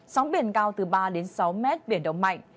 sóng biển cao từ ba đến sáu mét biển động mạnh